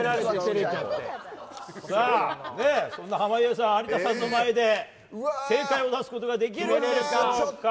そんな濱家さんは有田さんの前で正解を出すことができるんでしょうか。